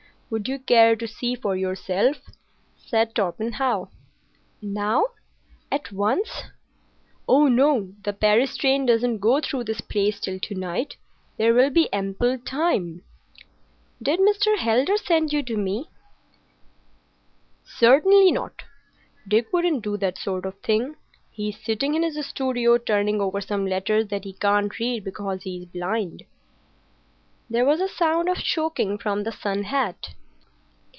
"Would you care to see for yourself?" said Torpenhow. "Now,—at once?" "Oh, no! The Paris train doesn't go through this place till to night. There will be ample time." "Did Mr. Heldar send you to me?" "Certainly not. Dick wouldn't do that sort of thing. He's sitting in his studio, turning over some letters that he can't read because he's blind." There was a sound of choking from the sun hat.